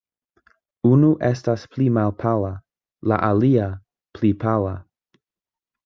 Unu estas pli malpala; la alia, pli pala.